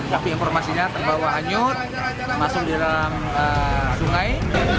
tapi informasinya terbawa hanyut masuk di dalam sungai